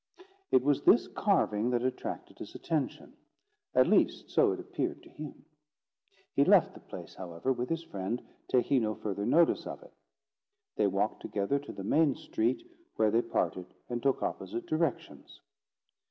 It was this carving that attracted his attention; at least so it appeared to him. He left the place, however, with his friend, taking no further notice of it. They walked together to the main street, where they parted and took opposite directions.